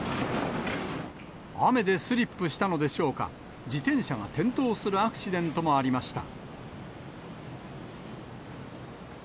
雨でスリップしたのでしょうか、自転車が転倒するアクシデントもありました。